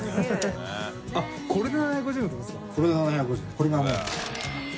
これがね。